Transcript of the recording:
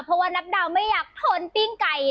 เพราะว่านับดาวไม่อยากทนปิ้งไก่